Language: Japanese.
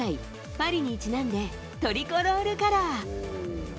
パリにちなんでトリコロールカラー。